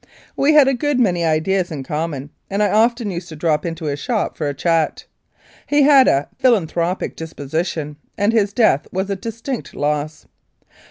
We had a good many ideas in common, and I often used to drop into his shop for a chat. He had a philanthropic disposition, and his death was a distinct loss.